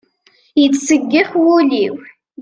Yettseggix wul-iw.